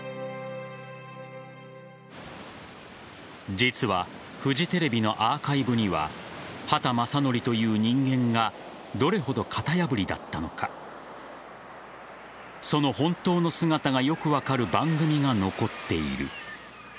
実はフジテレビのアーカイブには畑正憲という人間がどれほど型破りだったのかその本当の姿がよく分かる番組が残っている。